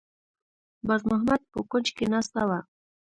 باز محمد په کونج کې ناسته وه.